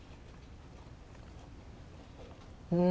うん。